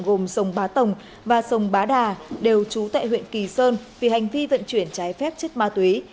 gồm sông bá tồng và sông bá đà đều trú tại huyện kỳ sơn vì hành vi vận chuyển trái phép chất ma túy